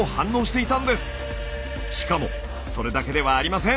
しかもそれだけではありません！